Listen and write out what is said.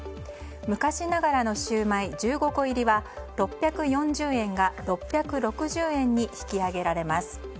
昔ながらのシウマイ１５個入りは６４０円が６６０円に引き上げられます。